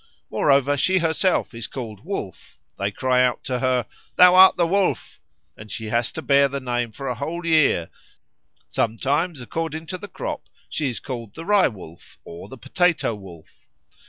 Moreover, she herself is called Wolf; they cry out to her, "Thou art the Wolf," and she has to bear the name for a whole year; sometimes, according to the crop, she is called the Rye wolf or the Potato wolf.